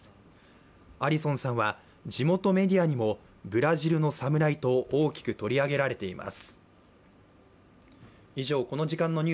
アリソンさんは、地元メディアにもブラジルのサムライと大きく取り上げられています。